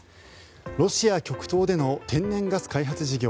ロシア極東での天然ガス開発事業